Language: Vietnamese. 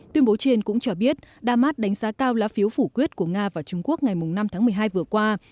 tuyên bố trên cũng cho biết damas đánh giá cao lá phiếu phủ quyết của nga và trung quốc ngày năm tháng một mươi hai vừa qua